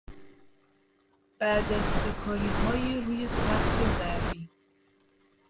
برجستهکاریهای روی سقف ضربی